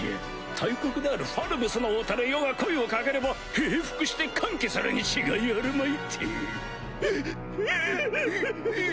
大国であるファルムスの王たる余が声を掛ければ平伏して歓喜するに違いあるまいてヒヒィ！